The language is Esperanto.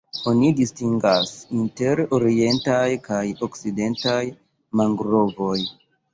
Oni distingas inter Orientaj kaj Okcidentaj mangrovoj.